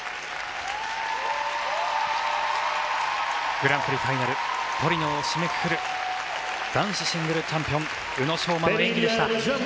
グランプリファイナルトリノを締めくくる男子シングルチャンピオン宇野昌磨の演技でした。